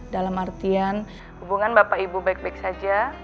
dalam artian hubungan bapak ibu baik baik saja